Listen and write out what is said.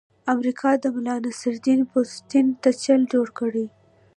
امریکا د ملانصرالدین پوستین ته چل جوړ کړی.